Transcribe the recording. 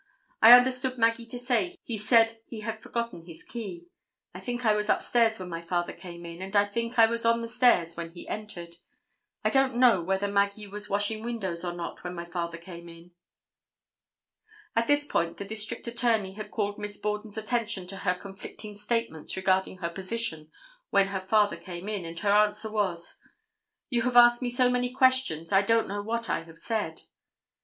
I understood Maggie to say he said he had forgotten his key. I think I was up stairs when my father came in, and I think I was on the stairs when he entered. I don't know whether Maggie was washing windows or not when my father came in." At this point the District Attorney had called Miss Borden's attention to her conflicting statements regarding her position when her father came in, and her answer was: "You have asked me so many questions, I don't know what I have said."